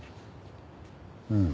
うん。